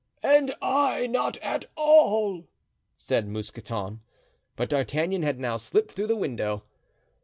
"And I not at all," said Mousqueton. But D'Artagnan had now slipped through the window.